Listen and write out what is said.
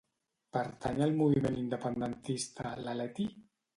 Pertany al moviment independentista la Leti?